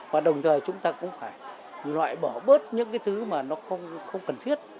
và đồng thời chúng ta cũng phải loại bỏ bớt những cái thứ mà nó không cần thiết